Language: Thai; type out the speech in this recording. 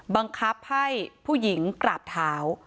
บังคับให้ผู้หญิงกราบเท้า